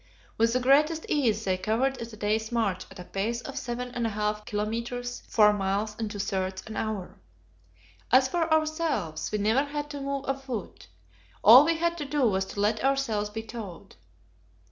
With the greatest ease they covered the day's march at a pace of seven and a half kilometres (four miles and two thirds) an hour. As for ourselves, we never had to move a foot; all we had to do was to let ourselves be towed.